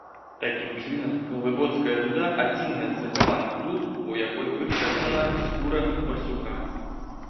Такім чынам, глыбоцкая дуда адзіная з захаваных дуд, у якой выкарыстаная скура барсука.